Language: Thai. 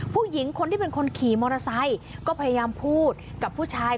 ผู้หญิงคนที่เป็นคนขี่มอเตอร์ไซค์ก็พยายามพูดกับผู้ชาย